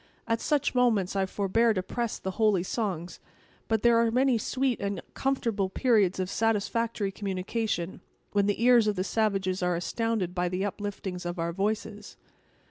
At such moments I forbear to press the holy songs; but there are many sweet and comfortable periods of satisfactory communication, when the ears of the savages are astounded with the upliftings of our voices."